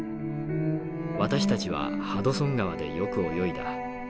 私たちはハドソン川でよく泳いだ。